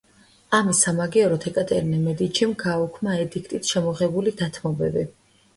ამის სამაგიეროდ, ეკატერინე მედიჩიმ გააუქმა ედიქტით შემოღებული დათმობები.